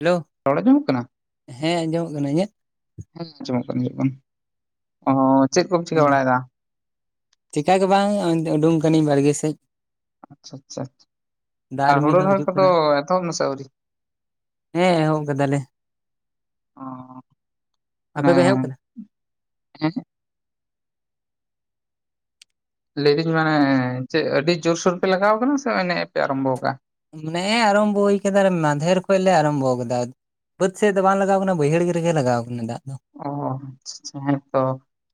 Hello ᱨᱚᱲ ᱟᱡᱚᱢᱚᱜ ᱠᱟᱱᱟ ᱦᱮᱸ ᱟᱸᱡᱚᱢᱚᱜ ᱠᱟᱱᱟ ᱤᱧᱟᱹᱜ ᱦᱮᱸ ᱟᱸᱡᱚᱢᱚᱜ ᱠᱟᱱ ᱦᱩᱭᱩᱜ ᱠᱟᱱ ᱚ ᱪᱮᱫ ᱠᱚᱢ ᱪᱤᱠᱟᱹ ᱚᱸ ᱵᱟᱲᱟᱭᱮᱫᱟ ᱪᱮᱠᱟ ᱜᱮ ᱵᱟᱝ ᱩᱰᱩᱝ ᱠᱟᱹᱱᱟᱹᱧ ᱵᱟᱲᱜᱮ ᱥᱮᱫ ᱟᱪᱪᱷᱟ ᱟᱪᱪᱷᱟ ᱫᱟᱜ ᱟᱨ ᱨᱤᱢᱤᱞ ᱦᱳᱲᱳ ᱦᱚᱸ ᱨᱚᱦᱚᱭ ᱦᱤᱡᱩᱜ ᱠᱚᱫᱚ ᱠᱟᱱᱟ ᱮᱛᱚᱦᱚᱵ ᱱᱟᱥᱮ ᱟᱹᱣᱨᱤ ᱦᱮᱸ ᱮᱦᱚᱵ ᱠᱟᱫᱟᱞᱮ ᱚ ᱟᱯᱮ ᱯᱮ ᱮᱦᱚᱵ ᱚᱱᱮ ᱠᱟᱫᱟ ᱞᱟᱹᱭᱫᱟᱹᱧ ᱢᱟᱱᱮ ᱪᱮᱫ ᱟᱹᱰᱤ ᱡᱳᱨᱥᱳᱨ ᱯᱮ ᱞᱟᱜᱟᱣ ᱟᱠᱟᱱᱟ ᱥᱮ ᱱᱮᱜ ᱯᱮ ᱟᱨᱟᱢᱵᱚ ᱠᱟᱜ-ᱟ ᱱᱮᱜ-ᱮ ᱟᱨᱟᱢᱵᱷᱚ ᱦᱩᱭ ᱠᱟᱫᱟᱞᱮ ᱢᱟᱫᱷᱮᱨ ᱠᱷᱚᱡ ᱞᱮ ᱟᱨᱟᱢᱵᱷᱚ ᱠᱟᱫᱟ ᱵᱟᱹᱫᱽ ᱥᱮᱫ ᱫᱚ ᱵᱟᱝ ᱞᱟᱜᱟᱣ ᱠᱟᱱᱟ ᱵᱟᱹᱭᱦᱟᱹᱲ ᱨᱮᱜᱮ ᱞᱟᱜᱟᱣ ᱠᱟᱱᱟ ᱫᱟᱜ ᱫᱚ ᱚ ᱟᱪᱪᱷᱟ ᱦᱮᱸᱛᱚ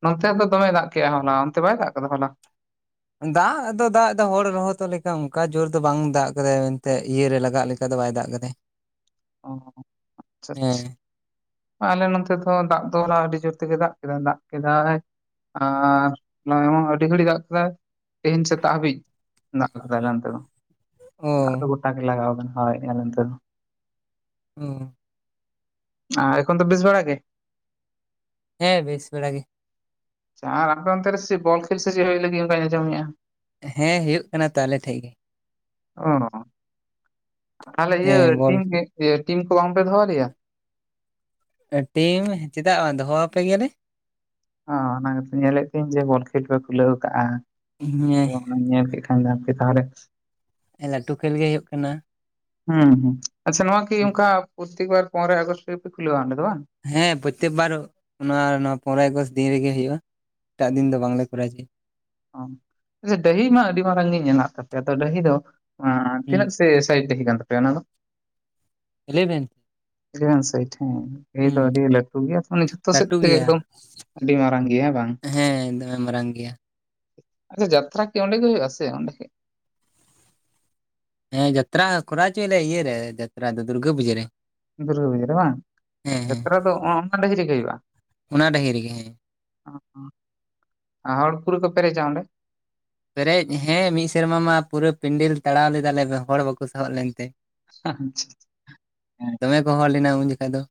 ᱱᱚᱱᱛᱮ ᱫᱚ ᱫᱚᱢᱮ ᱫᱟᱜ ᱠᱮᱜ-ᱟ ᱦᱚᱞᱟ ᱚᱱᱛᱮ ᱵᱟᱭ ᱫᱟᱜ ᱠᱟᱫᱟ ᱦᱚᱞᱟ ᱫᱟᱜ ᱫᱚ ᱫᱟᱜ ᱫᱚ ᱦᱚᱲ ᱨᱚᱦᱚᱫᱚᱜ ᱞᱮᱠᱟ ᱚᱱᱠᱟ ᱡᱳᱨ ᱫᱚ ᱵᱟᱝ ᱫᱟᱜ ᱠᱟᱫᱟᱭ ᱮᱱᱛᱮᱫ ᱤᱭᱟᱹᱨᱮ ᱞᱟᱜᱟᱜ ᱞᱮᱠᱟ ᱫᱚ ᱵᱟᱭ ᱫᱟᱜ ᱠᱟᱫᱟᱭ [inaudible] ᱚ ᱟᱪᱪᱷᱟ ᱦᱮᱸ ᱟᱪᱪᱷᱟ ᱟᱞᱮ ᱱᱚᱛᱮ ᱫᱚ ᱫᱟᱜ ᱫᱚ ᱟᱹᱰᱤ ᱡᱳᱨ ᱛᱮᱜᱮ ᱫᱟᱜ ᱠᱮᱫᱟᱭ ᱫᱟᱜ ᱠᱮᱫᱟᱭ ᱟᱨ ᱱᱚᱨᱢᱟᱞ ᱟᱹᱰᱤ ᱜᱷᱟᱹᱲᱤᱡ ᱫᱟᱜ ᱠᱮᱫᱟᱭ ᱛᱮᱦᱮᱧ ᱥᱮᱛᱟᱜ ᱦᱟᱹᱵᱤᱡ ᱫᱟᱜ ᱠᱟᱫᱟᱭ ᱟᱞᱮ ᱱᱚᱛᱮ ᱫᱚ ᱚ ᱫᱟᱜ ᱫᱚ ᱜᱚᱴᱟ ᱜᱮ ᱞᱟᱜᱟᱣ ᱟᱠᱟᱱᱟ ᱦᱳᱭ ᱟᱞᱮ ᱱᱚᱛᱮ ᱫᱚ [unintelligible] ᱮᱠᱷᱚᱱ ᱫᱚ ᱵᱮᱥ ᱵᱟᱲᱟ ᱜᱮ ᱦᱮᱸ ᱵᱮᱥ ᱵᱟᱲᱟ ᱜᱮ ᱟᱨ ᱟᱯᱮ ᱚᱱᱛᱮᱨᱮ ᱥᱮ ᱵᱚᱞ ᱠᱷᱮᱞ ᱥᱮ ᱪᱮᱫ ᱦᱳᱭᱳᱜ ᱞᱟᱜᱤᱹᱜ ᱚᱱᱠᱟ ᱟᱧᱡᱚᱢ ᱮᱜ ᱼᱟ ᱦᱮᱸ ᱦᱳᱭᱳᱜ ᱠᱟᱱᱟ ᱛᱚ ᱟᱞᱮ ᱴᱷᱮᱡ ᱜᱮ ᱚ ᱛᱟᱦᱚᱞᱮ ᱤᱭᱟᱹ ᱦᱮᱸ ᱵᱚᱞ ᱴᱤᱢ ᱴᱤᱢ ᱠᱚ ᱵᱟᱝᱯᱮ ᱫᱚᱦᱚ ᱟᱞᱮᱭᱟ ᱴᱤᱢ ᱪᱮᱫᱟᱜ ᱵᱟᱝ ᱫᱚᱦᱚᱣᱟᱯᱮ ᱜᱮᱭᱟᱞᱮ ᱚᱱᱟ ᱜᱮ ᱛᱚ ᱧᱮᱞᱮᱜ ᱯᱤᱭᱟᱹᱧ ᱡᱮ ᱵᱚᱞ ᱠᱷᱮᱞ ᱯᱮ ᱠᱷᱩᱞᱟᱹᱣ ᱠᱟᱜ-ᱟ ᱦᱮᱸ ᱧᱮᱞ ᱠᱮᱫ ᱠᱷᱟᱱ ᱞᱮ ᱦᱟᱯᱮ ᱛᱟᱦᱞᱮ ᱞᱟᱹᱴᱩ ᱠᱷᱮᱞ ᱜᱮ ᱦᱩᱭᱩᱜ ᱠᱟᱱᱟ ᱦᱩᱸ ᱦᱩᱸ ᱟᱪᱪᱷᱟ ᱱᱚᱣᱟ ᱠᱤ ᱚᱱᱠᱟ ᱯᱨᱚᱛᱛᱮᱠ ᱵᱟᱨ ᱯᱚᱱᱮᱨᱚᱭ ᱟᱜᱚᱥᱴ ᱨᱮᱜᱯᱮ ᱠᱷᱩᱞᱟᱹᱣᱟ ᱚᱸᱰᱮ ᱫᱚ ᱵᱟᱝ? ᱦᱮᱸ ᱯᱨᱚᱛᱛᱮᱠ ᱵᱟᱨ ᱚᱱᱟ ᱯᱚᱱᱮᱨᱚᱭ ᱟᱜᱚᱥᱴ ᱫᱤᱱ ᱨᱮᱜᱮ ᱦᱩᱭᱩᱜᱼᱟ ᱮᱴᱟᱜ ᱫᱤᱱ ᱫᱚ ᱵᱟᱝᱞᱮ ᱠᱚᱨᱟᱣ ᱦᱚᱪᱚᱭᱟ ᱰᱟᱹᱦᱤ ᱢᱟ ᱟᱹᱰᱤ ᱢᱟᱨᱟᱝ ᱜᱮ ᱢᱮᱱᱟᱜ ᱛᱟᱯᱮᱭᱟ ᱰᱟᱹᱦᱤ ᱫᱚ ᱛᱤᱱᱟᱹᱜ ᱥᱮ ᱥᱟᱭᱤᱰ ᱛᱮᱦᱮᱸ ᱠᱟᱱ ᱛᱟᱯᱮᱭᱟ ᱚᱱᱟ ᱫᱚ ᱤᱞᱮᱭᱵᱷᱮᱱ ᱤᱞᱮᱵᱷᱮᱱ ᱥᱟᱭᱤᱴ ᱦᱮ ᱦᱸᱮ ᱫᱚ ᱟᱹᱰᱤ ᱞᱟᱹᱴᱩ ᱜᱮᱭᱟ ᱛᱮ ᱡᱷᱚᱛᱚ ᱥᱮᱫ ᱞᱟᱹᱴᱩ ᱛᱮᱜᱮ ᱜᱮᱭᱟ ᱮᱠᱫᱚᱢ ᱟᱹᱰᱤ ᱢᱟᱨᱟᱝ ᱜᱮᱭᱟ ᱦᱮᱸ ᱵᱟᱝ ᱦᱮᱸ ᱫᱚᱢᱮ ᱢᱟᱨᱟᱝ ᱜᱮᱭᱟ ᱟᱪᱪᱷᱟ ᱡᱟᱛᱨᱟ ᱠᱤ ᱚᱸᱰᱮ ᱜᱮ ᱦᱩᱭᱩᱜ-ᱟ ᱥᱮ ᱚᱸᱰᱮ ᱜᱮ ᱦᱮᱸ ᱡᱟᱛᱨᱟ ᱠᱚᱨᱟᱣ ᱦᱚᱪᱚᱭᱟᱞᱮ ᱤᱭᱟᱹ ᱨᱮ ᱡᱟᱛᱨᱟ ᱫᱚ ᱫᱩᱨᱜᱟᱹ ᱯᱩᱡᱟᱹ ᱨᱮ ᱫᱩᱨᱜᱟᱹ ᱯᱩᱡᱟ ᱨᱮ ᱵᱟᱝ ᱦᱮᱸ ᱦᱮᱸ ᱡᱟᱛᱨᱟ ᱫᱚ ᱚᱱᱠᱟᱱ ᱰᱟᱹᱦᱤ ᱨᱮ ᱜᱮ ᱦᱩᱭᱩᱜᱼᱟ ᱚᱱᱟ ᱰᱟᱹᱦᱤ ᱨᱮᱜᱮ ᱦᱮᱸ ᱦᱚᱲ ᱯᱩᱨᱳ ᱠᱚ ᱯᱮᱨᱮᱡᱟ ᱚᱰᱮ? ᱯᱮᱨᱮᱡ ᱦᱮᱸ ᱢᱤᱫ ᱥᱮᱨᱢᱟ ᱢᱟ ᱯᱩᱨᱟᱹ ᱯᱤᱱᱰᱮᱞ ᱛᱟᱲᱟᱣ ᱞᱮᱫᱟᱞᱮ ᱦᱚᱲ ᱵᱟᱠᱚ ᱥᱟᱦᱟᱵ ᱞᱮᱱᱛᱮ ᱟᱪᱪᱷᱟ ᱦᱮᱸ ᱫᱚᱢᱮ ᱠᱚ ᱦᱚᱲ ᱞᱮᱱᱟ ᱩᱱ ᱡᱚᱠᱷᱟ ᱫᱚ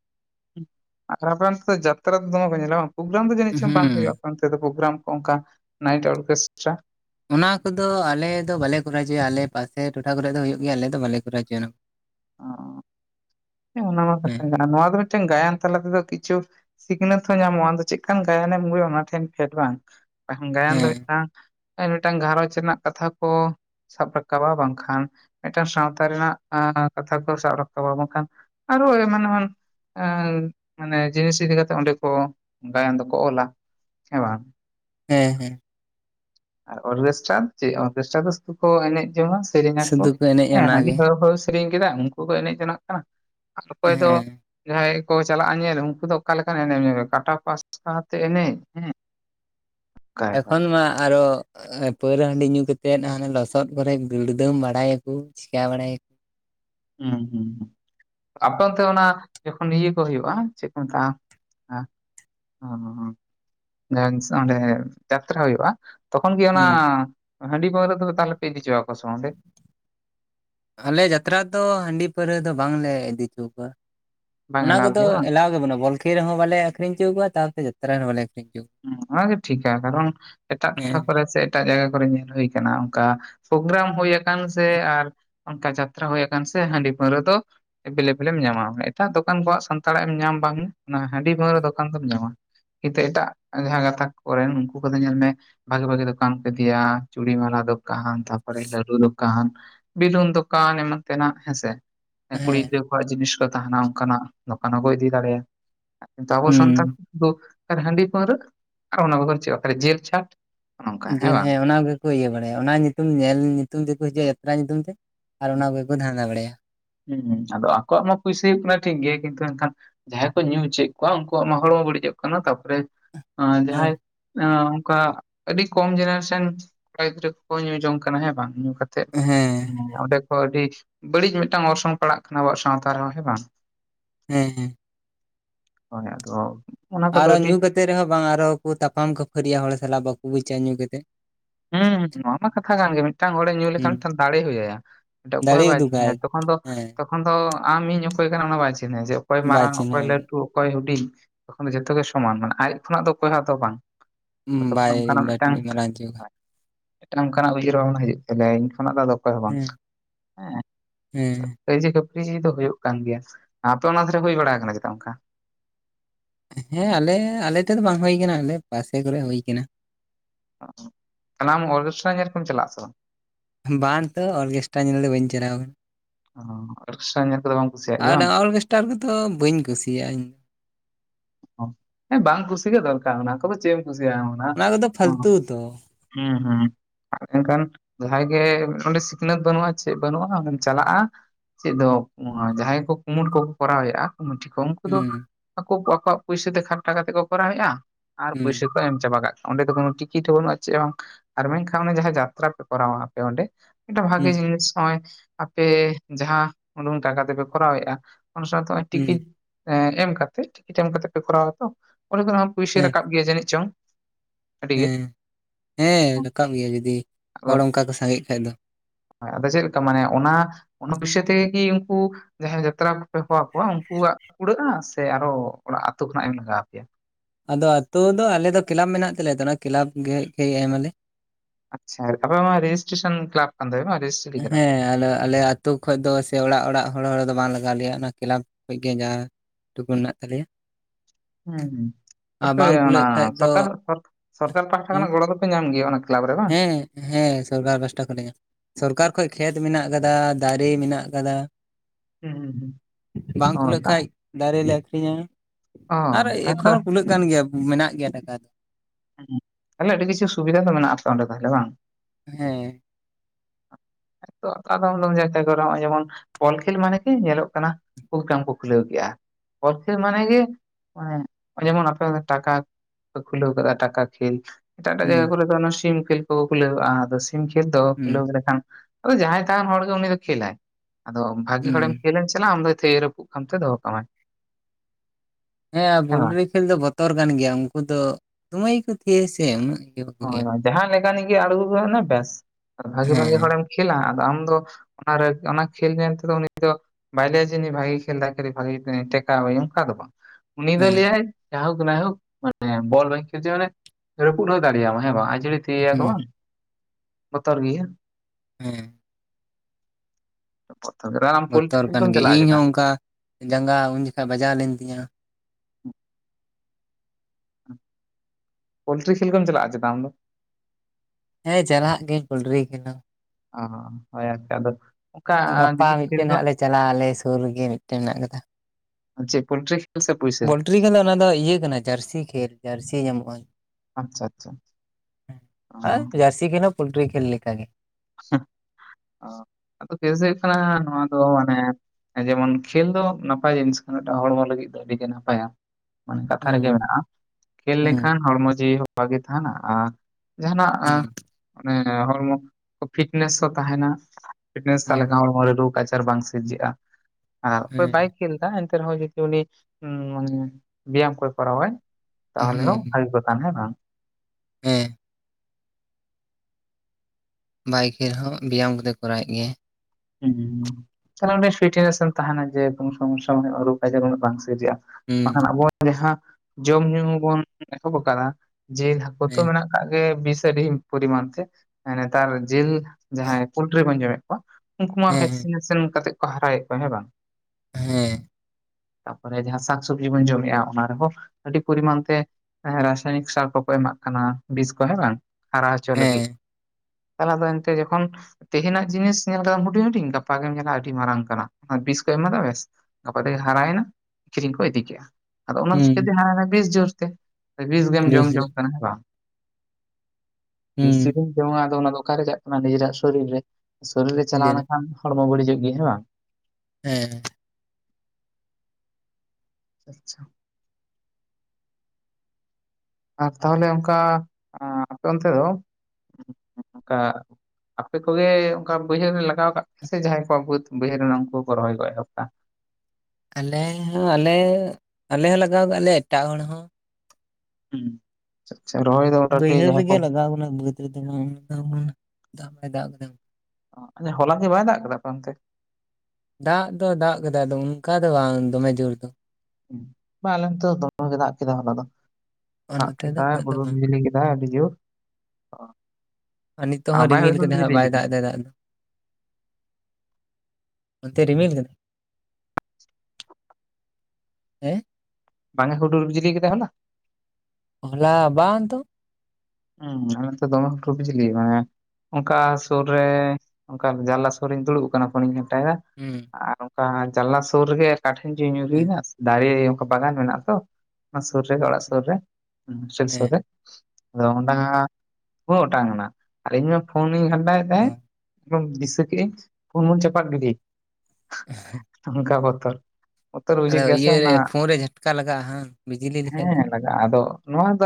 ᱟᱨ ᱟᱯᱮ ᱚᱱᱛᱚ ᱫᱚ ᱡᱟᱛᱨᱟ ᱫᱚᱢᱮ ᱠᱚ ᱧᱮᱞᱟ ᱵᱟᱝ ᱯᱨᱳᱜᱨᱟᱢ ᱫᱚ ᱡᱟᱹᱱᱤᱡ ᱪᱚᱝ ᱵᱟᱝ ᱦᱩᱸ ᱦᱩᱭᱩᱜᱼᱟ ᱟᱯᱮ ᱚᱱᱛᱮ ᱟᱯᱮ ᱫᱚ ᱯᱨᱳᱜᱨᱟᱢ ᱠᱚ ᱚᱱᱠᱟ ᱱᱟᱭᱤᱴ ᱚᱨᱠᱮᱥᱴᱨᱟ ᱚᱱᱟ ᱠᱚᱫᱚ ᱟᱞᱮ ᱫᱚ ᱵᱟᱞᱮ ᱠᱚᱨᱟᱣ ᱦᱚᱪᱚᱭᱟ ᱟᱞᱮ ᱯᱟᱥᱮ ᱴᱚᱴᱷᱟ ᱠᱚᱨᱮ ᱫᱚ ᱦᱩᱭᱩᱜ ᱜᱮᱭᱟ ᱟᱞᱮ ᱫᱚ ᱵᱟᱞᱮ ᱠᱚᱨᱟᱣ ᱦᱚᱪᱚᱭᱟ ᱚᱱᱟ ᱚ ᱚᱱᱟ ᱢᱟ ᱦᱮᱸ ᱛᱟᱦᱮᱸᱱ ᱠᱟᱱᱟ ᱱᱚᱣᱟ ᱫᱚ ᱢᱤᱫᱴᱮᱱ ᱜᱟᱭᱟᱱ ᱛᱟᱞᱟ ᱛᱮ ᱫᱚ ᱠᱤᱪᱷᱩ ᱥᱤᱠᱷᱱᱟᱹᱛ ᱦᱚᱸ ᱧᱟᱢᱚᱜᱼᱟ ᱚᱱᱟ ᱫᱚ ᱪᱮᱫ ᱞᱮᱠᱟᱱ ᱜᱟᱭᱟᱱ ᱮᱢ ᱟᱹᱜᱩᱭᱟ ᱚᱱᱟ ᱴᱷᱮᱱ ᱯᱷᱮᱰ ᱵᱟᱝ ᱵᱟᱠᱷᱟᱱ ᱜᱟᱭᱟᱱ ᱫᱚ ᱦᱮᱸ ᱢᱤᱫᱴᱟᱝ ᱟᱨ ᱢᱤᱫᱴᱟᱝ ᱜᱷᱟᱨᱚᱡᱽ ᱨᱮᱱᱟᱜ ᱠᱟᱛᱷᱟ ᱠᱚ ᱥᱟᱵ ᱨᱟᱠᱟᱵᱟ ᱵᱟᱝᱠᱷᱟᱱ ᱢᱤᱫᱴᱟᱝ ᱥᱟᱶᱛᱟ ᱨᱮᱱᱟᱜ ᱠᱟᱛᱷᱟ ᱠᱚ ᱥᱟᱵ ᱨᱟᱠᱟᱵᱟ ᱵᱟᱝ ᱠᱷᱟᱱ ᱟᱨᱦᱚᱸ ᱮᱢᱟᱱ ᱮᱢᱟᱱ ᱮᱸᱱ ᱢᱟᱱᱮ ᱡᱤᱱᱤᱥ ᱤᱫᱤ ᱠᱟᱛᱮᱜ ᱚᱸᱰᱮ ᱠᱚ ᱜᱟᱭᱟᱱ ᱫᱚᱠᱚ ᱚᱞᱟ ᱦᱮᱸ ᱵᱟᱝ ᱦᱮᱸ ᱦᱮᱸ ᱟᱨ ᱚᱨᱠᱮᱥᱴᱟᱨ ᱪᱮᱫ ᱚᱨᱠᱮᱥᱴᱟᱨ ᱥᱩᱫᱩ ᱠᱚ ᱮᱱᱮᱡ ᱡᱚᱝᱟ ᱥᱮᱨᱮᱧᱟᱠᱚ ᱥᱩᱫᱷᱩ ᱠᱚ ᱮᱱᱮᱡᱼᱟ ᱦᱮᱸ ᱦᱟᱱᱤ ᱚᱱᱟᱜᱮ ᱦᱟᱹᱣ ᱦᱟᱹᱣ ᱥᱮᱨᱮᱧ ᱠᱮᱫᱟ ᱩᱱᱠᱩ ᱠᱚ ᱮᱱᱮᱡ ᱡᱚᱱᱟᱜ ᱠᱟᱱᱟ ᱟᱨ ᱚᱠᱚᱭ ᱫᱚ ᱦᱮᱸ ᱡᱟᱦᱟᱸᱭ ᱠᱚ ᱪᱟᱞᱟᱜᱼᱟ ᱧᱮᱞ ᱩᱱᱠᱩ ᱫᱚ ᱚᱠᱟᱞᱮᱠᱟᱱ ᱮᱱᱮᱡ ᱧᱭᱟ ᱠᱟᱴᱟ ᱯᱟᱥᱴᱟᱛᱮ ᱮᱱᱮᱡ ᱦᱮᱸ ᱚᱱᱠᱟ ᱵᱮᱯᱟᱨ ᱮᱠᱷᱚᱱ ᱢᱟ ᱟᱨᱚ ᱯᱟᱹᱣᱨᱟᱹ ᱦᱟᱺᱰᱤ ᱧᱩ ᱠᱟᱛᱮᱫ ᱦᱟᱱᱮ ᱞᱚᱥᱚᱫ ᱠᱚᱨᱮ ᱜᱟᱹᱲᱫᱟᱹᱢ ᱵᱟᱲᱟᱭᱟᱠᱚ ᱪᱤᱠᱟᱹ ᱵᱟᱲᱟᱭᱟ ᱦᱩᱸ ᱦᱩᱸ ᱦᱩᱸ ᱟᱯᱮ ᱛᱮ ᱚᱱᱟ ᱡᱚᱠᱷᱚᱱ ᱤᱭᱟᱹ ᱠᱚ ᱦᱩᱭᱩᱜᱼᱟ ᱪᱮᱫ ᱠᱚ ᱢᱮᱛᱟᱜᱼᱟ [unintelligible] ᱚᱸᱰᱮ ᱡᱟᱛᱨᱟ ᱦᱩᱭᱩᱜᱼᱟ ᱛᱚᱠᱷᱚᱱ ᱜᱮ ᱚᱱᱟ ᱦᱩᱸ ᱦᱟᱺᱰᱤ ᱯᱟᱹᱣᱨᱟᱹ ᱫᱚ ᱛᱟᱦᱚᱞᱮ ᱯᱮ ᱤᱫᱤ ᱦᱚᱪᱚᱣᱟ ᱠᱚᱣᱟ ᱥᱮ ᱵᱟᱝᱟ ᱚᱸᱰᱮ ᱟᱞᱮ ᱡᱟᱛᱨᱟ ᱫᱚ ᱦᱟᱺᱰᱤ ᱯᱟᱹᱣᱨᱟᱹ ᱫᱚ ᱵᱟᱝᱞᱮ ᱤᱫᱤ ᱦᱚᱪᱚ ᱠᱚᱣᱟ ᱵᱟᱝ ᱚᱱᱟ ᱮᱞᱟᱣ ᱠᱚᱫᱚ ᱜᱮᱭᱟ ᱵᱟᱝ ᱮᱞᱟᱣ ᱜᱮ ᱵᱩᱜᱼᱟ ᱵᱚᱞ ᱠᱷᱮᱞ ᱨᱮᱦᱚᱸ ᱵᱟᱞᱮ ᱟᱠᱷᱨᱤᱧ ᱦᱚᱪᱚᱣᱟ ᱠᱚᱣᱟ ᱛᱟᱯᱚᱨᱮ ᱡᱟᱛᱨᱟ ᱨᱮ ᱦᱚᱸ ᱵᱟᱞᱮ ᱟᱹᱠᱷᱨᱤᱧ ᱦᱚᱪᱚ ᱩ ᱚᱱᱟᱜᱮ ᱴᱷᱤᱠᱟ ᱠᱟᱨᱚᱱ ᱮᱴᱟᱜ ᱠᱚᱣᱟ ᱦᱮᱸ ᱴᱚᱴᱷᱟ ᱠᱚᱨᱮ ᱪᱮᱫ ᱮᱴᱟᱜ ᱡᱟᱭᱜᱟ ᱠᱚᱨᱮ ᱧᱮᱞ ᱦᱩᱭ ᱟᱠᱟᱱᱟ ᱚᱱᱠᱟ ᱯᱨᱳᱜᱨᱟᱢ ᱦᱩᱭ ᱟᱠᱟᱱ ᱥᱮ ᱟᱨ ᱚᱱᱠᱟ ᱡᱟᱛᱨᱟ ᱦᱩᱭ ᱟᱠᱟᱱ ᱥᱮ ᱦᱟᱺᱰᱤ ᱯᱟᱹᱣᱨᱟᱹ ᱫᱚ ᱮᱵᱮᱞᱮᱵᱮᱞᱮᱢ ᱧᱟᱢᱟ ᱮᱴᱟᱜ ᱫᱚᱠᱟᱱ ᱠᱚᱣᱟᱜ ᱥᱟᱱᱛᱟᱲᱟᱜ ᱮᱢ ᱧᱟᱢ ᱵᱟᱝ ᱚᱱᱟ ᱦᱟᱺᱰᱤ ᱯᱟᱹᱣᱨᱟᱹ ᱫᱚᱠᱟᱱ ᱫᱚᱢ ᱧᱟᱢᱟ ᱦᱤᱛᱳᱜ ᱮᱴᱟᱜ ᱡᱟᱦᱟᱸ ᱜᱟᱛᱟᱠ ᱠᱚᱨᱮᱱ ᱩᱱᱠᱩ ᱠᱚᱫᱚ ᱧᱮᱞ ᱢᱮ ᱵᱷᱟᱜᱤ ᱵᱷᱟᱜᱤ ᱫᱚᱠᱟᱱ ᱠᱚ ᱤᱫᱤᱭᱟ ᱪᱩᱲᱤ ᱢᱟᱞᱟ ᱫᱚᱠ ᱫᱚᱠᱟᱱ ᱛᱟᱯᱚᱨᱮ ᱞᱟᱹᱰᱩ ᱫᱚᱠᱟᱱ ᱵᱤᱞᱩᱱ ᱫᱚᱠᱟᱱ ᱮᱢᱟᱱ ᱛᱮᱱᱟᱜ ᱦᱮᱸᱥᱮ ᱠᱩᱲᱤ ᱜᱤᱫᱽᱨᱟᱹ ᱦᱮᱸ ᱠᱚᱣᱟᱜ ᱡᱤᱱᱤᱥ ᱠᱚ ᱛᱟᱦᱮᱱᱟ ᱚᱱᱠᱟᱱᱟᱜ ᱫᱚᱠᱟᱱ ᱦᱚᱸᱠᱚ ᱤᱫᱤ ᱫᱟᱲᱮᱭᱟᱜᱼᱟ ᱟᱵᱚ ᱥᱟᱱᱛᱟᱲ ᱦᱩᱸ ᱦᱟᱺᱰᱤ ᱯᱟᱹᱣᱨᱟᱹ ᱚᱱᱟᱵᱚᱫᱚᱞ ᱚᱠᱟᱨᱮ ᱡᱮᱞ ᱪᱷᱟᱴ ᱚᱱᱚᱝᱠᱟ ᱡᱤᱞ ᱵᱟᱝ ᱦᱮᱸ ᱚᱱᱟ ᱜᱮᱠᱚ ᱤᱭᱟᱹ ᱵᱟᱲᱟᱭᱟ ᱚᱱᱟ ᱧᱩᱛᱩᱢ ᱧᱮᱞ ᱧᱩᱛᱩᱢ ᱛᱮᱠᱚ ᱦᱤᱡᱩᱜᱼᱟ ᱡᱟᱛᱨᱟ ᱧᱩᱛᱩᱢ ᱛᱮ ᱟᱨ ᱚᱱᱟ ᱠᱚᱜᱮ ᱠᱚ ᱫᱷᱟᱱᱫᱟ ᱵᱟᱲᱟᱭᱟ ᱦᱩᱸ ᱦᱩᱸ ᱟᱫᱚ ᱟᱠᱚᱣᱟᱜ ᱢᱟ ᱯᱩᱭᱥᱟᱹ ᱦᱩᱭᱩᱜ ᱠᱟᱱᱟ ᱴᱷᱤᱠ ᱜᱮ ᱠᱤᱱᱛᱩ ᱮᱱ ᱠᱷᱟᱱᱻᱻ ᱡᱟᱦᱟᱸᱭ ᱠᱚ ᱧᱩ ᱦᱚᱪᱚᱭᱮᱫ ᱠᱚᱣᱟ ᱩᱱᱠᱩᱣᱟᱜ ᱢᱟ ᱦᱚᱲᱢᱚ ᱵᱟᱹᱲᱤᱡᱚᱜ ᱠᱟᱱᱟ ᱛᱟᱯᱚᱨᱮ ᱦᱮᱸ ᱡᱟᱦᱟᱸᱭᱻᱻ ᱚᱱᱠᱟ ᱟᱹᱰᱤ ᱠᱚᱢ ᱡᱮᱱᱟᱨᱮᱥᱚᱱ ᱠᱚᱲᱟ ᱜᱤᱫᱽᱨᱟᱹ ᱠᱚᱠᱚ ᱧᱩ ᱡᱚᱝ ᱠᱟᱱᱟ ᱦᱮᱸ ᱵᱟᱝ ᱧᱩ ᱠᱟᱛᱮ ᱦᱮᱸ ᱚᱸᱰᱮ ᱠᱷᱚᱱ ᱟᱹᱰᱤ ᱵᱟᱹᱲᱤᱡ ᱢᱤᱫᱴᱟᱝ ᱚᱨᱥᱚᱝ ᱯᱟᱲᱟᱜ ᱠᱟᱱᱟ ᱟᱵᱚᱣᱟᱜ ᱥᱟᱶᱛᱟ ᱨᱮᱦᱚᱸ ᱦᱮᱸ ᱵᱟᱝ ᱦᱮᱸ ᱦᱮᱸ ᱦᱚᱭ ᱚᱫᱚᱻ ᱟᱨᱚ ᱧᱩ ᱠᱟᱛᱮᱫ ᱨᱮᱦᱚᱸ ᱵᱟᱝ ᱟᱨᱚ ᱠᱚ ᱛᱟᱯᱟᱢ ᱠᱷᱟᱹᱯᱟᱹᱨᱤᱭᱟ ᱦᱚᱲ ᱥᱟᱞᱟᱜ ᱵᱟᱠᱚ ᱵᱩᱡᱟ ᱧᱩ ᱠᱟᱛᱮᱫ ᱦᱩᱸ ᱱᱚᱣᱟ ᱢᱟ ᱠᱟᱛᱷᱟ ᱠᱟᱱ ᱜᱮ ᱢᱤᱫᱴᱟᱝ ᱦᱚᱲᱮ ᱧᱩ ᱞᱮᱠᱷᱟᱱ ᱦᱩᱸ ᱢᱤᱫᱴᱟᱝ ᱫᱟᱲᱮ ᱦᱩᱭᱭᱟ ᱚᱵᱮ ᱚᱠᱚᱭ ᱫᱟᱲᱮ ᱦᱚ ᱵᱟᱭ ᱪᱤᱱᱦᱟ ᱩᱫᱩᱜᱟᱭ ᱛᱚᱠᱷᱚᱱ ᱫᱚ ᱦᱮᱸ ᱛᱚᱠᱷᱚᱱ ᱫᱚ ᱟᱢ ᱤᱧ ᱚᱠᱚᱭ ᱠᱟᱱᱟ ᱚᱱᱟ ᱵᱟᱭ ᱪᱤᱱᱦᱟ ᱡᱮ ᱚᱠᱚᱭ ᱵᱟᱭ ᱢᱟᱨᱟᱝ ᱚᱠᱚᱭ ᱪᱤᱱᱦᱟᱹᱣ ᱞᱟᱹᱴᱩ ᱚᱠᱚᱭ ᱦᱩᱰᱤᱧ ᱛᱚᱠᱷᱚᱱ ᱫᱚ ᱡᱚᱛᱚ ᱜᱮ ᱥᱚᱢᱟᱱ ᱢᱟᱱᱮ ᱟᱡ ᱠᱷᱚᱱᱟᱜ ᱫᱚ ᱚᱠᱚᱭ ᱦᱚ ᱟᱫᱚ ᱵᱟᱝ ᱡᱚᱛᱚᱠᱷᱚᱱ ᱵᱟᱭ ᱚᱱᱠᱟᱱᱟᱜ ᱞᱟᱹᱴᱩ ᱢᱤᱫᱴᱟᱝ [unintelligible] ᱢᱤᱫᱴᱟᱝ ᱚᱱᱠᱟᱱᱟᱜ ᱩᱭᱦᱟᱹᱨ ᱵᱷᱟᱵᱱᱟ ᱦᱤᱡᱩ ᱡᱮ ᱤᱧ ᱠᱷᱚᱱᱟᱜ ᱫᱚ ᱟᱫᱚ ᱚᱠᱚᱭ ᱦᱚᱸ ᱵᱟᱝ ᱦᱮᱸ ᱦᱮᱸ ᱦᱮᱸ [unintelligible] ᱦᱩᱭᱩᱜ ᱠᱟᱱ ᱜᱮᱭᱟ ᱟᱯᱮ ᱚᱱᱟ ᱫᱷᱟᱨᱮ ᱦᱩᱭ ᱵᱟᱲᱟ ᱟᱠᱟᱱᱟ ᱪᱮᱠᱟ ᱚᱱᱠᱟ ᱦᱮᱸ ᱟᱞᱮ ᱟᱞᱮ ᱴᱷᱮᱱ ᱵᱟᱝ ᱦᱩᱭ ᱠᱟᱱᱟ ᱟᱞᱮ ᱯᱟᱥᱮ ᱠᱚᱨᱮ ᱦᱩᱭ ᱠᱟᱱᱟ ᱟᱢ ᱚᱨᱠᱮᱥᱴᱟᱨ ᱧᱮᱞ ᱠᱚᱢ ᱪᱟᱞᱟᱜ ᱟᱥᱮ ᱵᱟᱝ?? ᱵᱟᱝ ᱛᱚ ᱚᱨᱠᱮᱥᱴᱟᱨ ᱧᱮᱞ ᱫᱚ ᱵᱟᱹᱧ ᱪᱟᱞᱟᱣ ᱠᱟᱱᱟ ᱚ ᱚᱨᱠᱮᱥᱴᱟᱨ ᱧᱮᱞ ᱠᱚᱫᱚ ᱵᱟᱢ ᱠᱩᱥᱤᱭᱟᱜ ᱜᱮᱭᱟ ᱵᱟᱝ ᱩᱱᱟᱸᱫᱚ ᱵᱟᱹᱧ ᱠᱩᱥᱤᱭᱟᱜᱼᱟᱧ ᱦᱮᱸ ᱵᱟᱝ ᱠᱩᱥᱤᱜᱮ ᱫᱚᱨᱠᱟᱨ ᱚᱱᱟ ᱠᱚᱫᱚ ᱪᱮᱫ ᱮᱢ ᱠᱩᱥᱤᱭᱟᱜᱼᱟ ᱚᱱᱟ ᱠᱚᱫᱚ ᱯᱷᱟᱞᱛᱩ ᱛᱚ ᱦᱩᱸ ᱦᱩᱸ ᱟᱨ ᱮᱱᱠᱷᱟᱱ ᱡᱟᱦᱟᱸᱭ ᱜᱮ ᱚᱸᱰᱮ ᱥᱤᱠᱷᱱᱟᱹᱛ ᱵᱟᱹᱱᱩᱜᱼᱟ ᱪᱮᱫ ᱵᱟᱹᱱᱩᱜᱼᱟ ᱚᱰᱮᱢ ᱪᱟᱞᱟᱜᱼᱟ ᱪᱮᱫ ᱫᱚ ᱡᱟᱦᱟᱸᱭ ᱠᱚ ᱠᱩᱢᱩᱴ ᱠᱚᱠᱚ ᱠᱚᱨᱟᱣᱮᱜᱼᱟ ᱩᱱᱠᱩ ᱫᱚ ᱦᱩᱸ ᱟᱠᱚ ᱟᱠᱚᱣᱟᱜ ᱯᱩᱭᱥᱟ ᱛᱮ ᱠᱷᱚᱨᱪᱟ ᱠᱟᱛᱮ ᱠᱚ ᱠᱚᱨᱟᱣᱮᱫᱼᱟ ᱟᱨ ᱯᱩᱭᱥᱟᱹ ᱦᱩᱸ ᱠᱚ ᱮᱢ ᱪᱟᱵᱟ ᱠᱟᱜᱼᱟ ᱚᱸᱰᱮ ᱫᱚ ᱠᱳᱱᱳ ᱴᱤᱠᱤᱴ ᱦᱚᱸ ᱵᱟᱹᱱᱩᱜᱼᱟ ᱪᱮᱫ ᱦᱚ ᱟᱨ ᱢᱮᱱᱠᱷᱟᱱ ᱚᱱᱮ ᱡᱟᱦᱟᱸ ᱡᱟᱛᱨᱟ ᱯᱮ ᱠᱚᱨᱟᱣᱼᱟ ᱟᱯᱮ ᱚᱸᱰᱮ ᱢᱤᱫᱴᱟ ᱵᱷᱟᱜᱮ ᱦᱩᱸ ᱡᱤᱱᱤᱥ ᱦᱚᱭ ᱟᱯᱮ ᱡᱟᱦᱟᱸ ᱩᱰᱩᱝ ᱴᱟᱠᱟ ᱛᱮᱯᱮ ᱠᱚᱨᱟᱣᱮᱜᱼᱟ ᱚᱱᱟ ᱥᱟᱶ ᱦᱩᱸ ᱴᱤᱠᱤᱴ ᱮᱢ ᱠᱟᱛᱮ ᱴᱤᱠᱤᱴ ᱮᱢ ᱠᱟᱛᱮ ᱯᱮ ᱠᱚᱨᱟᱣᱟ ᱛᱚ ᱯᱩᱭᱥᱟᱹ ᱦᱮᱸ ᱨᱟᱠᱟᱵ ᱜᱮᱭᱟ ᱡᱟᱹᱱᱤᱡ ᱪᱚᱝ?? ᱟᱹᱰᱤ ᱜᱮ ᱦᱮᱸ ᱦᱮᱸ ᱨᱟᱠᱟᱵ ᱜᱮᱭᱟ ᱡᱩᱫᱤ ᱦᱚᱲ ᱚᱱᱠᱟ ᱠᱚ ᱥᱟᱸᱜᱮ ᱠᱷᱟᱡ ᱫᱚ ᱦ ᱟᱫᱚ ᱪᱮᱫ ᱞᱮᱠᱟ ᱢᱟᱱᱮ ᱚᱱᱟ ᱚᱱᱟ ᱯᱩᱭᱥᱟ ᱛᱮᱜᱮ ᱩᱱᱠᱩ ᱡᱟᱦᱟᱸᱭ ᱡᱟᱛᱨᱟ ᱠᱚᱯᱮ ᱦᱚᱦᱚᱣᱟ ᱠᱚᱼᱟ ᱩᱱᱠᱩᱣᱟᱜ ᱠᱩᱲᱟᱹᱜᱼᱟ ᱥᱮ ᱟᱨᱚ ᱚᱲᱟ ᱟᱹᱛᱩ ᱠᱷᱚᱱᱟᱜ ᱮᱢ ᱞᱟᱜᱟᱣ ᱯᱮᱭᱟ? ᱟᱫᱚ ᱟᱹᱛᱩ ᱫᱚ ᱟᱞᱮ ᱫᱚ ᱠᱮᱞᱟᱵᱽ ᱢᱮᱱᱟᱜ ᱛᱟᱞᱮᱭᱟ ᱛᱚ ᱚᱱᱟ ᱠᱮᱞᱟᱵᱽ ᱜᱮ ᱠᱷᱚᱱ ᱮᱢ ᱟᱞᱮ ᱟᱪᱪᱷᱟ ᱟᱯᱮ ᱢᱟ ᱨᱮᱤᱥᱴᱮᱥᱚᱱ ᱠᱟᱞᱟᱵ ᱠᱟᱱ ᱛᱟᱯᱮ ᱵᱟᱝ ᱠᱞᱟᱵᱽ ᱦᱮᱸ ᱟᱞᱮ ᱟᱹᱛᱩ ᱠᱷᱚᱱ ᱫᱚ ᱥᱮ ᱚᱲᱟᱜ ᱚᱲᱟᱜ ᱦᱚᱲᱚ ᱦᱚᱲᱚ ᱫᱚ ᱵᱟᱝ ᱞᱟᱜᱟᱣ ᱞᱮᱭᱟ ᱚᱱᱟ ᱠᱮᱞᱟᱵᱽ ᱠᱷᱚᱱ ᱜᱮ ᱡᱟᱦᱟᱸ ᱴᱩᱠᱩᱱ ᱢᱮᱱᱟᱜ ᱛᱟᱞᱮᱭᱟ ᱦᱮᱸ ᱦ ᱟᱨ ᱟᱯᱮ ᱵᱟᱝ ᱠᱷᱩᱞᱟᱹᱜ ᱚᱱᱟ ᱠᱷᱟᱡ ᱫᱚ ᱥᱚᱨᱠᱟᱨ ᱥᱚᱨᱠᱟᱨ ᱯᱟᱦᱴᱟ ᱦᱮᱸ ᱠᱷᱚᱱᱟᱜ ᱜᱚᱲᱚ ᱫᱚᱯᱮ ᱧᱟᱢ ᱜᱮᱭᱟ ᱚᱱᱟ ᱠᱞᱟᱵᱽ ᱨᱮ ᱵᱟᱝ? ᱦᱮᱸ ᱦᱮᱸ ᱥᱚᱨᱠᱟᱨ ᱯᱟᱥᱴᱟ ᱠᱷᱚᱱ ᱧᱟᱢ ᱥᱚᱨᱠᱟᱨ ᱠᱷᱚᱡ ᱠᱷᱮᱛ ᱢᱮᱱᱟᱜ ᱠᱟᱫᱟ ᱫᱟᱨᱮ ᱢᱮᱱᱟᱜ ᱠᱟᱫᱟ ᱦᱩᱸ ᱦᱩᱸ ᱵᱟᱝ ᱦᱩᱸ ᱚ ᱠᱩᱞᱟᱹᱜ ᱛᱟ ᱠᱷᱟᱡ ᱫᱟᱨᱮ ᱞᱮ ᱟᱠᱷᱨᱤᱧᱟ ᱚ ᱟᱨ ᱛᱟᱦᱚᱞᱮ ᱮᱠᱷᱚᱱ ᱠᱩᱞᱟᱹᱜ ᱠᱟᱱ ᱜᱮᱭᱟ ᱢᱮᱱᱟᱜ ᱜᱮᱭᱟ ᱴᱟᱠᱟ ᱫᱚ ᱛᱟᱦᱚᱞᱮ ᱟᱹᱰᱤ ᱠᱤᱪᱷᱩ ᱥᱩᱵᱤᱫᱷᱟ ᱫᱚ ᱢᱮᱱᱟᱜᱼᱟ ᱚᱸᱰᱮ ᱛᱟᱦᱞᱮ ᱵᱟᱝ ᱦᱮᱸ [unintelligible] ᱡᱮᱢᱚᱱ ᱵᱚᱞ ᱠᱷᱮᱞ ᱢᱟᱱᱮ ᱜᱮ ᱧᱮᱞᱚᱜ ᱠᱟᱱᱟ ᱠᱩ ᱠᱟᱢ ᱠᱚ ᱠᱷᱩᱞᱟᱹᱣ ᱠᱮᱼᱟ ᱵᱚᱞ ᱠᱷᱮᱞ ᱢᱟᱱᱮ ᱜᱮ ᱡᱮᱢᱚᱱ ᱟᱯᱮ ᱴᱟᱠᱟ ᱠᱷᱩᱞᱟᱹᱣ ᱠᱟᱜᱼᱟ ᱴᱟᱠᱟ ᱠᱷᱮᱞ ᱮᱴᱟᱜ ᱮᱴᱟᱜ ᱡᱟᱭᱜᱟ ᱦᱩᱸ ᱠᱚᱨᱮ ᱫᱚ ᱚᱱᱟ ᱥᱤᱢ ᱠᱷᱮᱞ ᱠᱚᱠᱚ ᱠᱷᱩᱞᱟᱹᱣᱼᱟ ᱫᱚ ᱥᱤᱢ ᱠᱷᱮᱞ ᱫᱚ ᱠᱷᱩᱞᱟᱹᱣ ᱦᱩᱸ ᱞᱮᱠᱷᱟᱱ ᱟᱫᱚ ᱡᱟᱦᱟᱸᱭ ᱛᱟᱦᱟ ᱦᱚᱲ ᱜᱮ ᱩᱱᱤ ᱫᱚ ᱠᱷᱮᱞᱟᱭ ᱟᱫᱚ ᱵᱷᱟᱜᱤ ᱦᱚᱲᱮᱢ ᱦᱩᱸ ᱠᱷᱮᱹᱞᱮᱢ ᱪᱟᱞᱟᱜ ᱟᱢ ᱫᱚᱭ ᱛᱷᱤᱭᱟᱹ ᱨᱟᱹᱯᱩᱫ ᱠᱟᱢ ᱛᱮ ᱫᱚᱦᱚ ᱠᱟᱢᱟᱭ ᱦᱮᱸ ᱯᱚᱞᱴᱨᱤ ᱠᱷᱮᱞ ᱫᱚ ᱵᱚᱛᱚᱨ ᱠᱟᱱ ᱜᱮᱭᱟ ᱩᱱᱠᱩ ᱫᱚ ᱫᱚᱢᱮ ᱜᱮᱠᱚ ᱛᱷᱤᱭᱟᱹ ᱭᱟᱥᱮ ᱩᱱᱟᱹᱜ ᱵᱟᱠᱚ ᱦᱳᱭ ᱤᱭᱟᱹ ᱦᱳᱭ ᱡᱟᱦᱟᱸ ᱞᱮᱠᱟᱱᱤᱡ ᱜᱮ ᱟᱬᱜᱳ ᱜᱚᱜ ᱱᱟᱭ ᱵᱮᱥ ᱵᱷᱟᱜᱤ ᱵᱷᱟᱜᱤ ᱦᱮᱸ ᱦᱚᱲᱮᱢ ᱠᱷᱮᱞᱟ ᱟᱫᱚ ᱟᱢᱫᱚ ᱚᱱᱟᱨᱮ ᱚᱱᱟ ᱠᱷᱮᱞ ᱧᱮᱞ ᱛᱮᱫᱚ ᱩᱱᱤ ᱫᱚ ᱵᱟᱭ ᱞᱟᱹᱭᱟ ᱡᱮ ᱱᱩᱭ ᱵᱷᱟᱜᱮ ᱠᱷᱮᱞ ᱫᱟᱭ ᱵᱷᱟᱜᱮ ᱡᱩᱛ ᱤᱧ ᱴᱮᱠᱟᱣ ᱮᱭᱟ, ᱚᱱᱠᱟ ᱫᱚ ᱵᱟᱝ ᱩᱱᱤ ᱫᱚ ᱦᱮᱸ ᱞᱟᱹᱭᱟᱭ ᱡᱟᱭ ᱦᱳᱠ ᱱᱟᱭ ᱦᱳᱠ ᱢᱟᱱᱮ ᱵᱚᱞ ᱵᱟᱹᱧ ᱠᱷᱮᱞ ᱦᱚᱪᱚᱣᱟᱭᱟ ᱢᱟᱱᱮ ᱨᱟᱹᱯᱩᱫ ᱫᱟᱲᱮᱭᱟᱢᱟ ᱦᱮᱸ ᱵᱟᱝ ᱟᱡᱷᱩᱲᱟᱹ ᱛᱷᱤᱭᱟ ᱭᱟᱠᱚ ᱦᱩᱸ ᱵᱟᱝ ᱵᱚᱛᱚᱨ ᱜᱮᱭᱟ ᱦᱮᱸ [unintelligible] ᱵᱚᱛᱚᱨ ᱠᱷᱮᱞ ᱠᱟᱱ ᱠᱚᱢ ᱜᱮ ᱪᱟᱞᱟᱜᱼᱟ ᱤᱧ ᱪᱮᱛᱟ ᱦᱚᱸ ᱚᱱᱠᱟ ᱡᱟᱸᱜᱟ ᱩᱱ ᱡᱚᱠᱷᱟ ᱵᱟᱡᱟᱣ ᱞᱮᱱ ᱛᱤᱧᱟᱹ ᱯᱳᱞᱴᱨᱤ ᱠᱷᱮᱞ ᱠᱚᱢ ᱪᱟᱞᱟᱜᱼᱟ ᱪᱮᱛᱟ ᱟᱢ ᱫᱚ? ᱦᱮᱸ ᱪᱟᱞᱟᱜ ᱜᱤᱧ ᱯᱳᱞᱴᱨᱤ ᱠᱷᱮᱞ ᱦᱚᱸ ᱚ ᱦᱳᱭ ᱟᱨᱠᱤ ᱟᱫᱚ ᱚᱱᱠᱟ ᱜᱟᱯᱟ ᱡᱩᱫᱤ ᱠᱷᱮᱞ ᱢᱤᱫᱴᱮᱱ ᱦᱟᱜ ᱨᱮᱱᱟᱜ ᱞᱮ ᱪᱟᱞᱟᱜᱼᱟ ᱟᱞᱮ ᱥᱩᱨ ᱨᱮᱜᱮ ᱢᱤᱫᱴᱮᱱ ᱢᱮᱱᱟᱜ ᱠᱟᱫᱟ ᱪᱮᱫ ᱯᱳᱞᱴᱨᱤ ᱠᱷᱮᱞ ᱥᱮ ᱯᱩᱭᱥᱟ [unintelligible] ᱚᱱᱟ ᱫᱚ ᱤᱭᱟᱹ ᱠᱟᱱᱟ ᱡᱟᱹᱨᱥᱤ ᱠᱷᱮᱞ ᱡᱟᱹᱨᱥᱤ ᱧᱟᱢᱚᱜᱼᱟ ᱟᱪᱪᱷᱟ ᱟᱪᱪᱷᱟ ᱚ ᱯᱳᱞᱴᱨᱤ ᱠᱷᱮᱞ ᱦᱚ ᱯᱳᱞᱴᱨᱤ ᱠᱷᱮᱞ ᱞᱮᱠᱟ ᱜᱮ ᱚ ᱟᱫᱚ ᱠᱮᱥ ᱦᱳᱭᱳᱜ ᱠᱟᱱᱟ ᱱᱚᱣᱟ ᱫᱚ ᱢᱟᱱᱮ ᱡᱮᱢᱚᱱ ᱠᱷᱮᱞ ᱫᱚ ᱱᱟᱯᱟᱭ ᱡᱤᱱᱤᱥ ᱠᱟᱱᱟ ᱢᱤᱫᱴᱟᱝ ᱦᱚᱲᱢᱚ ᱞᱟᱹᱜᱤᱫ ᱫᱚ ᱟᱹᱰᱤ ᱜᱮ ᱱᱟᱯᱟᱭᱟ ᱢᱟᱱᱮ ᱠᱟᱛᱷᱟ ᱨᱮᱜᱮ ᱦᱩᱸ ᱢᱮᱱᱟᱜᱼᱟ ᱠᱷᱮᱞ ᱦᱩᱸ ᱞᱮᱠᱷᱟᱱ ᱦᱚᱲᱢᱚ ᱡᱤᱣᱤ ᱦᱚᱸ ᱵᱷᱟᱜᱮ ᱛᱟᱦᱮᱱᱟ ᱟᱨ ᱡᱟᱦᱟᱱᱟᱜ ᱦᱩᱸ ᱢᱟᱱᱮ ᱦᱚᱲᱢᱚ ᱯᱷᱤᱴᱱᱮᱥ ᱦᱚᱸ ᱛᱟᱦᱮᱱᱟ ᱯᱷᱤᱴᱱᱮᱥ ᱛᱟᱦᱮ ᱦᱩᱸ ᱞᱮᱠᱷᱟᱱ ᱦᱚᱲᱢᱚ ᱨᱮ ᱨᱳᱜᱽ ᱟᱡᱟᱨ ᱵᱟᱝ ᱥᱤᱨᱡᱟᱹᱜᱼᱟ, ᱟᱨ ᱚᱠᱚᱭ ᱵᱟᱭ ᱦᱮᱸ ᱠᱷᱮᱞ ᱫᱟ ᱮᱱᱛᱮ ᱨᱮᱦᱚᱸ ᱡᱚᱫᱤ ᱩᱱᱤ ᱵᱮᱭᱟᱢ ᱠᱚᱭ ᱠᱚᱨᱟᱣᱟᱭ ᱛᱟᱦᱚᱞᱮ ᱦᱚᱸ ᱦᱩᱸ ᱵᱷᱟᱜᱮ ᱠᱚ ᱛᱟᱦᱮᱱᱟ ᱦᱮᱸ ᱵᱟᱝ ᱦᱮᱸ ᱵᱟᱭ ᱠᱷᱮᱞ ᱦᱚᱸ ᱵᱮᱭᱟᱢ ᱠᱚᱫᱚᱭ ᱠᱚᱨᱟᱣᱮᱫ ᱜᱮᱭᱟ ᱦᱩᱸ ᱛᱟᱦᱞᱮ ᱚᱸᱰᱮ ᱯᱷᱤᱴᱱᱮᱥ ᱮᱢ ᱛᱟᱦᱮᱱᱟ ᱡᱮ ᱥᱚᱢᱚᱥᱥᱟ ᱵᱟᱝ ᱦᱳᱭᱳᱜᱼᱟ ᱨᱳᱜᱽ ᱟᱡᱟᱨ ᱩᱱᱟᱹᱜ ᱵᱟᱝ ᱥᱤᱨᱡᱟᱹᱜᱼᱟ ᱦᱩᱸ ᱵᱟᱠᱷᱟᱱ ᱟᱵᱚᱣᱟᱜ ᱡᱟᱦᱟᱸ ᱡᱚᱢ ᱧᱩ ᱵᱚᱱ ᱮᱛᱚᱦᱚᱵ ᱠᱟᱫᱟ ᱡᱮᱞ ᱦᱟᱠᱳ ᱛᱚ ᱦᱮᱸ ᱢᱮᱱᱟᱜ ᱟᱜ ᱜᱮ ᱵᱤᱥ ᱟᱹᱰᱤ ᱯᱚᱨᱤᱢᱟᱱ ᱛᱮ ᱱᱮᱛᱟᱨ ᱡᱤᱞ ᱡᱟᱦᱟᱸᱭ ᱯᱳᱞᱴᱨᱤ ᱵᱚᱱ ᱡᱚᱢᱮᱫ ᱠᱚᱣᱟ ᱩᱱᱠᱩ ᱢᱟ ᱦᱮᱸ ᱵᱷᱮᱠᱥᱤᱱᱮᱥᱮᱱ ᱠᱟᱛᱮᱜ ᱠᱚ ᱦᱟᱨᱟᱭᱮᱫ ᱠᱚᱣᱟ ᱦᱮᱸ ᱵᱟᱝ ᱦᱮᱸ ᱛᱟᱨᱯᱚᱨᱮ ᱡᱟᱦᱟᱸ ᱥᱟᱠ ᱥᱚᱵᱽᱡᱤ ᱵᱚᱱ ᱡᱚᱢᱮᱜᱼᱟ ᱚᱱᱟ ᱨᱮᱦᱚᱸ ᱟᱹᱰᱤ ᱯᱚᱨᱤᱢᱟᱱ ᱛᱮ ᱦᱮᱸ ᱨᱟᱥᱟᱭᱚᱱᱤᱠ ᱥᱟᱨ ᱠᱚᱠᱚ ᱮᱢᱟᱜ ᱠᱟᱱᱟ ᱵᱤᱥ ᱠᱚ ᱦᱮᱸ ᱵᱟᱝ ᱦᱟᱨᱟ ᱦᱚᱪᱚ ᱞᱟᱹᱜᱤᱫ ᱦᱮᱸ ᱛᱟᱦᱚᱞᱮ ᱮᱱᱛᱮ ᱡᱚᱠᱷᱚᱱ ᱛᱮᱦᱮᱧᱟᱜ ᱡᱤᱱᱤᱥ ᱧᱮᱞ ᱠᱮᱫᱟᱢ ᱦᱩᱰᱤᱧ ᱦᱩᱰᱤᱧ ᱜᱟᱯᱟ ᱜᱮᱢ ᱧᱮᱞᱟ ᱟᱹᱰᱤ ᱢᱟᱨᱟᱝ ᱠᱟᱱᱟ ᱵᱤᱥ ᱠᱚ ᱮᱢᱟᱫᱟ ᱵᱮᱥ ᱜᱟᱯᱟ ᱛᱮᱜᱮ ᱦᱟᱨᱟᱭᱮᱱᱟ ᱟᱹᱠᱷᱤᱨᱤᱧ ᱠᱚ ᱤᱫᱤ ᱠᱮᱜᱼᱟ ᱟᱫᱚ ᱚᱱᱟ ᱫᱚ ᱪᱤᱠᱟᱹᱛᱮ ᱦᱩᱸ ᱦᱳᱭᱱᱟ ᱵᱤᱥ ᱡᱳᱨᱛᱮ ᱵᱤᱥ ᱜᱮᱢ ᱡᱚᱢ ᱵᱮᱥ ᱡᱚᱝ ᱠᱟᱱᱟ ᱦᱮᱸ ᱵᱟᱝ ᱵᱤᱧ ᱦᱩᱸ ᱡᱩᱫᱤᱢ ᱡᱚᱢᱟ ᱟᱫᱚ ᱚᱱᱟ ᱫᱚ ᱚᱠᱟᱨᱮ ᱪᱟᱜ ᱠᱟᱱᱟ ᱱᱤᱡᱮᱨᱟᱜ ᱥᱚᱨᱤᱨ ᱨᱮ ᱥᱚᱨᱤᱨ ᱨᱮ ᱪᱟᱞᱟᱣ ᱦᱮᱸ ᱞᱮᱱᱠᱷᱟᱱ ᱦᱚᱲᱢᱚ ᱵᱟᱹᱲᱤᱡᱚᱜ ᱜᱮᱭᱟ ᱦᱮᱸ ᱵᱟᱝ ᱦᱮᱸ ᱟᱪᱪᱷᱟ ᱟᱨ ᱛᱟᱦᱞᱮ ᱚᱱᱠᱟ ᱟᱯᱮ ᱚᱱᱛᱮ ᱫᱚ ᱚᱱᱠᱟ ᱟᱯᱮ ᱠᱚᱜᱮ ᱚᱱᱠᱟ ᱵᱟᱹᱭᱦᱟᱹᱲ ᱨᱮ ᱞᱟᱜᱟᱣ ᱠᱟᱜ ᱯᱮᱭᱟ ᱥᱮ ᱡᱟᱦᱟᱸᱭ ᱠᱚᱣᱟᱜ ᱵᱟᱹᱫ ᱵᱟᱹᱭᱦᱟᱹᱲ ᱨᱮᱱᱟᱜ ᱩᱱᱠᱩ ᱠᱚ ᱨᱚᱦᱚᱭ ᱜᱚᱡ ᱮᱦᱚᱵ ᱫᱟ ᱟᱞᱮ ᱦᱚᱸ ᱟᱞᱮ, ᱟᱞᱮ ᱦᱚᱸ ᱞᱟᱜᱟᱣ ᱠᱟᱜ ᱞᱮᱭᱟ ᱮᱴᱟᱜ ᱦᱚᱲ ᱦᱚᱸ ᱦᱩ ᱟᱪᱪᱷᱟ ᱨᱚᱭ ᱫᱚ ᱢᱚᱴᱟᱢᱩᱴᱤ ᱡᱟᱦᱟᱸᱭ ᱠᱚ [inaudible] ᱵᱟᱹᱫ [inaudible] ᱫᱟᱜ ᱦᱚᱵᱟᱭ ᱫᱟᱜ ᱠᱟᱫᱟ ᱚ ᱦᱚᱞᱟ ᱠᱤ ᱵᱟᱭ ᱫᱟᱜ ᱠᱟᱫᱟ ᱟᱯᱮ ᱚᱱᱛᱮ? ᱫᱟᱜ ᱫᱚ ᱫᱟᱜ ᱠᱟᱫᱟᱭ ᱟᱫᱚ ᱚᱱᱠᱟ ᱫᱚ ᱵᱟᱝ ᱫᱚᱢᱮ ᱡᱳᱨ ᱫᱚ ᱵᱟ ᱟᱞᱮ ᱚᱱᱛᱮ ᱫᱚ ᱫᱚᱢᱮ ᱜᱮ ᱫᱟᱜ ᱠᱮᱫᱟ ᱦᱚᱞᱟ ᱫᱚ ᱟᱨ ᱫᱟᱜ ᱱᱚᱛᱮ ᱫᱚ ᱜᱮᱫᱟᱭ ᱩᱱᱟᱹᱜ ᱫᱚ ᱦᱩᱰᱩᱨ ᱵᱟᱝ ᱵᱤᱡᱽᱞᱤ ᱠᱮᱫᱟᱭ ᱟᱹᱰᱤ ᱡᱩᱨ ᱟᱨ ᱱᱤᱛᱚᱜ ᱦᱚᱸ ᱨᱤᱢᱤᱞ ᱠᱟᱫᱟᱭ ᱦᱟᱜ ᱵᱟᱭ ᱠᱟᱫᱟ ᱫᱟᱜ ᱮᱫᱟ ᱫᱟᱜ ᱫᱚ ᱚᱱᱛᱮ ᱨᱤᱢᱤᱞ ᱠᱟᱫᱟ ᱦᱮᱸ ᱵᱟᱝᱮ ᱦᱩᱰᱩᱨ ᱵᱤᱡᱽᱞᱤ ᱠᱮᱫᱟ ᱦᱚᱞᱟ ᱦᱚᱞᱟ ᱵᱟᱝ ᱛᱚ ᱦᱩᱸ ᱟᱞᱮ ᱚᱱᱛᱮ ᱫᱚᱢᱮ ᱦᱩᱵᱩᱨ ᱵᱤᱡᱽᱞᱤ ᱢᱟᱱᱮ ᱚᱱᱠᱟ ᱥᱩᱨ ᱨᱮ ᱚᱱᱠᱟ ᱡᱟᱱᱟᱞᱟ ᱥᱩᱨ ᱨᱮᱧ ᱫᱩᱲᱩᱵ ᱟᱠᱟᱱᱟ ᱯᱷᱳᱱᱤᱧ ᱜᱷᱟᱱᱴᱟᱭᱮᱫᱟ ᱦᱩᱸ ᱟᱨ ᱚᱱᱠᱟ ᱡᱟᱱᱟᱞᱟ ᱥᱩᱨ ᱨᱮᱜᱮ ᱟᱠᱟᱴᱷᱮᱱ ᱪᱚᱧ ᱦᱮᱸ ᱧᱩᱨᱩᱭᱱᱟ ᱥᱮ ᱫᱟᱨᱮ ᱚᱱᱠᱟ ᱵᱟᱜᱟᱱ ᱢᱮᱱᱟᱜ ᱛᱚ ᱚᱱᱟ ᱥᱩᱨ ᱨᱮ ᱚᱲᱟᱜ ᱥᱩᱨ ᱨᱮ ᱥᱩᱨ ᱥᱩᱨ ᱦᱮᱸ ᱨᱮ ᱟᱫᱚ ᱚᱸᱰᱮ ᱦᱩ ᱚᱴᱟᱝ ᱮᱱᱟ ᱟᱨ ᱤᱧᱢᱟ ᱯᱷᱳᱱᱤᱧ ᱜᱷᱟᱱᱴᱟᱣᱮᱫ ᱚ ᱛᱟᱦᱮᱸᱫ [unintelligible] ᱫᱤᱥᱟᱹᱠᱤᱧ ᱯᱷᱳᱱᱢᱳᱱ ᱪᱟᱯᱟᱜ ᱜᱤᱰᱤ ᱱᱚᱝᱠᱟ ᱵᱚᱛᱚᱨ ᱵᱚᱛᱚᱨ ᱟᱫᱚ ᱵᱩᱡᱷᱟᱹᱜ ᱜᱮᱭᱟ ᱥᱮ ᱤᱭᱟᱹᱨᱮ ᱚᱱᱟ ᱯᱷᱳᱱ ᱨᱮ ᱡᱷᱟᱴᱠᱟ ᱞᱟᱜᱟᱜᱼᱟ ᱦᱟᱜ ᱵᱤᱡᱽᱞᱤ ᱞᱮᱠᱷᱟᱡ ᱫᱚ ᱦᱮᱸ ᱞᱟᱜᱟᱜᱼᱟ ᱟᱫᱚ ᱱᱚᱣᱟ ᱫᱚ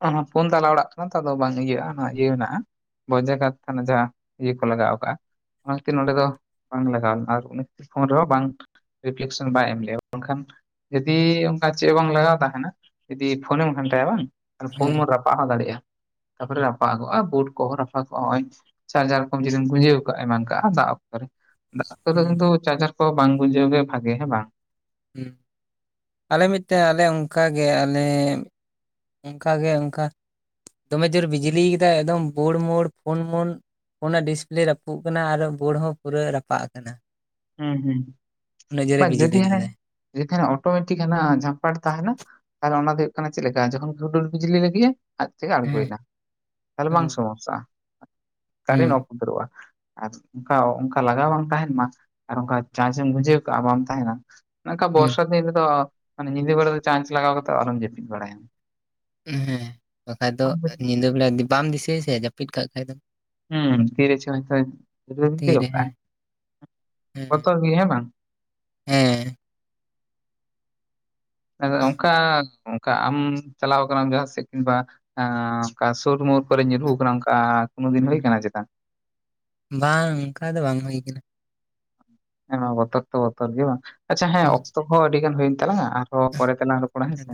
ᱟᱫᱚ ᱯᱳᱱ ᱛᱟᱞᱟ ᱚᱲᱟᱜ ᱠᱟᱱᱟ ᱛᱚ ᱟᱫᱚ ᱵᱟᱝ ᱤᱭᱟᱹᱜᱼᱟ ᱱᱚᱣᱟ ᱡᱤᱭᱟᱹᱣ ᱢᱮᱱᱟᱜᱼᱟ [unintelligible] ᱼᱼ ᱡᱟᱦᱟᱸ ᱤᱭᱟᱹ ᱠᱚ ᱞᱟᱜᱟᱣ ᱟᱠᱟᱟᱜ ᱚᱱᱟ ᱠᱷᱟᱹᱛᱤᱨ ᱱᱚᱸᱰᱮ ᱫᱚ ᱵᱟᱝ ᱞᱟᱜᱟᱣᱱᱟ ᱟᱨ ᱚᱱᱟ ᱠᱷᱟᱹᱛᱤᱨ ᱯᱷᱳᱱ ᱨᱮᱦᱚᱸ ᱵᱟᱝᱼᱼ ᱨᱤᱯᱷᱞᱮᱠᱥᱚᱱ ᱵᱟᱭ ᱮᱢ ᱞᱮᱼᱟ ᱵᱟᱝᱠᱷᱟᱱ ᱡᱩᱫᱤ ᱚᱱᱠᱟ ᱪᱮᱫ ᱦᱚᱸ ᱵᱟᱝ ᱞᱟᱜᱟᱣ ᱛᱟᱦᱮᱱᱟ ᱡᱩᱫᱤ ᱯᱷᱳᱱᱮᱢ ᱜᱷᱟᱱᱴᱟᱭᱟ ᱵᱟᱝ ᱯᱷᱳᱱ ᱦᱮᱸ ᱢᱳᱱ ᱨᱟᱯᱼᱼ ᱨᱟᱯᱟᱜ ᱦᱚᱸ ᱫᱟᱲᱮᱭᱟᱜᱼᱟ ᱛᱟᱯᱚᱨᱮ ᱨᱟᱯᱟᱜᱚᱜᱼᱟ ᱵᱳᱴ ᱠᱚᱦᱚᱸ ᱨᱟᱯᱟᱜᱚᱜᱼᱟ ᱱᱚᱜᱚᱭ ᱪᱟᱨᱡᱟᱨ ᱠᱚᱢ ᱡᱩᱫᱤᱢ ᱜᱩᱡᱟᱹᱣ ᱠᱟᱜᱼᱟ ᱮᱢᱟᱱ ᱠᱟᱜᱼᱟ ᱫᱟᱜ ᱚᱠᱛᱚ ᱨᱮ ᱫᱟᱜ ᱚᱠᱛᱚ ᱦᱩᱸ ᱠᱤᱱᱛᱩ ᱪᱟᱨᱡᱟᱨ ᱠᱚ ᱵᱟᱝ ᱵᱩᱡᱷᱟᱹᱣ ᱜᱮ ᱵᱷᱟᱜᱤ ᱦᱮᱸ ᱵᱟᱝ? ᱦᱮ ᱟᱞᱮ ᱢᱤᱫᱴᱮᱱ ᱟᱞᱮ ᱚᱱᱠᱟᱜᱮ ᱟᱞᱮ ᱚᱱᱠᱟᱜᱮ ᱚᱱᱠᱟ ᱫᱚᱢᱮ ᱡᱳᱨ ᱵᱤᱡᱽᱞᱤᱭ ᱠᱮᱫᱟᱭ ᱮᱠᱫᱚᱢ ᱵᱳᱲᱢᱳᱲ ᱯᱷᱳᱱ ᱢᱳᱲ ᱚᱱᱟ ᱰᱤᱥᱯᱞᱮ ᱨᱟᱹᱯᱩᱜ ᱟᱠᱟᱱᱟ ᱟᱨ ᱵᱳᱲ ᱦᱚᱸ ᱯᱩᱨᱟᱹ ᱨᱟᱯᱟᱜ ᱠᱟᱱᱟ ᱦᱩᱸ ᱦᱩᱸ ᱵᱤᱡᱽᱞᱤ ᱡᱩᱫᱤ ᱦᱮ ᱞᱮᱫᱟᱭ ᱡᱩᱫᱤ ᱛᱟᱦᱮᱱᱟ ᱚᱴᱳᱢᱮᱴᱤᱠ ᱦᱟ ᱡᱷᱟᱢᱯᱷᱟᱲ ᱛᱟᱦᱮᱱᱟ ᱛᱟᱦᱚᱞᱮ ᱚᱱᱟ ᱫᱚ ᱦᱩᱭᱩᱜ ᱠᱟᱱᱟ ᱪᱮᱫ ᱞᱮᱠᱟ ᱡᱚᱠᱷᱚᱱ ᱦᱩᱰᱩᱨ ᱵᱤᱡᱽᱞᱤ ᱞᱟᱹᱜᱤᱫᱼᱼ ᱟᱡ ᱛᱮᱜᱮ ᱦᱮᱸ ᱟᱬᱜᱚᱭᱮᱱᱟ ᱛᱟᱦᱚᱞᱮ ᱦᱩᱸ ᱵᱟᱝ ᱥᱚᱢᱚᱥᱥᱟᱼᱟ ᱠᱟᱨᱮᱱᱴ ᱚ ᱩᱫᱟᱹᱨᱚᱜᱼᱟ ᱟᱨ ᱚᱱᱠᱟ ᱚᱱᱠᱟ ᱞᱟᱜᱟᱣ ᱵᱟᱝ ᱛᱟᱦᱮᱱ ᱢᱟᱼᱼ ᱟᱨ ᱚᱱᱠᱟ ᱪᱟᱨᱪ ᱮᱢ ᱵᱩᱡᱷᱟᱹᱣ ᱠᱟᱜᱼᱟ ᱵᱟᱢ ᱛᱟᱦᱮᱱᱟ ᱚᱱᱠᱟ ᱦᱩᱸ ᱵᱚᱨᱥᱟᱼᱼ [unintelligible] ᱧᱤᱫᱟᱹ ᱵᱮᱲᱟ ᱫᱚ ᱪᱟᱨᱪ ᱞᱟᱜᱟᱣ ᱠᱟᱛᱮ ᱟᱞᱚᱢ ᱡᱟᱹᱯᱤᱫ ᱵᱟᱲᱟᱭᱟ ᱦᱮᱸ ᱵᱟᱠᱷᱟᱡ ᱫᱚ ᱵᱟᱢ ᱵᱩᱡ ᱧᱤᱫᱟᱹ ᱵᱮᱲᱟ ᱵᱟᱢ ᱫᱤᱥᱟᱹᱭᱥᱮ ᱡᱟᱹᱯᱤᱫ ᱠᱟᱜ ᱠᱷᱟᱡ ᱫᱚ ᱦᱩᱸ ᱛᱤᱨᱮ ᱪᱚᱜ ᱦᱟᱜ ᱛᱤᱨᱮ ᱠᱷᱟᱪ ᱦᱮᱸ ᱵᱚᱛᱚᱨ ᱜᱮ ᱦᱮᱸ ᱵᱟᱝ ᱦᱮᱸ ᱟᱫᱚ ᱚᱱᱠᱟ ᱠᱟ ᱟᱢ ᱪᱟᱞᱟᱣ ᱟᱠᱟᱱᱟᱢ ᱡᱟᱦᱟᱸ ᱥᱮᱫ ᱵᱟ ᱚᱱᱠᱟ ᱥᱩᱨ ᱢᱳᱨ ᱠᱚᱨᱮ ᱧᱩᱨᱩ ᱟᱠᱟᱱᱟ ᱚᱱᱠᱟ ᱠᱳᱱᱳ ᱫᱤᱱ ᱦᱩᱭ ᱠᱟᱱᱟ ᱪᱮᱛᱟ᱾ ᱵᱟᱝ ᱚᱱᱠᱟ ᱫᱚ ᱵᱟᱝ ᱦᱩᱭ ᱠᱟᱱᱟ᱾ ᱵᱚᱛᱚᱨᱚ ᱛᱚ ᱵᱚᱛᱚᱨ ᱜᱮ ᱵᱟᱝ ᱟᱪᱪᱷᱟ ᱦᱮᱸ ᱚᱠᱛᱚ ᱦᱚᱸ ᱟᱹᱰᱤ ᱜᱟᱱ ᱦᱩᱭᱮᱱ ᱛᱟᱝ ᱟᱨᱦᱚᱸ ᱯᱚᱨᱮ ᱛᱮᱟᱞᱟᱝᱼᱼ ᱨᱚᱲᱟ ᱦᱮᱥᱮ ᱟᱫᱚ